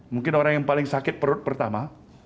mungkin orang yang paling sakit perut pertama